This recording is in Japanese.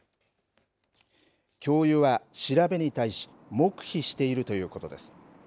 教諭は調べに対し黙秘しているということです。